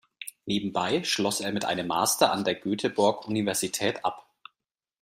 Nebenbei schloss er mit einem Master an der Göteborg Universität ab.